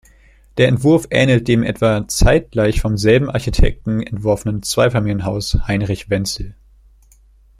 Der Entwurf ähnelt dem etwa zeitgleich vom selben Architekten entworfenen Zweifamilienhaus Heinrich Wentzel.